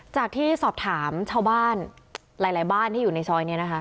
จากที่สอบถามชาวบ้านหลายบ้านที่อยู่ในซอยนี้นะคะ